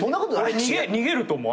俺逃げると思う。